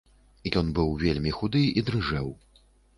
Ён быў вельмі худы і дрыжэў.